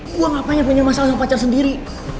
gue ngapain yang pengen masalah sama pacar sendiri